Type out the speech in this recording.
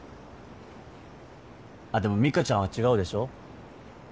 あっでも美香ちゃんは違うでしょ